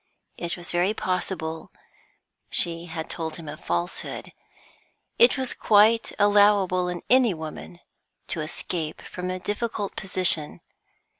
It was very possible she had told him a falsehood; it was quite allowable in any woman, to escape from a difficult position.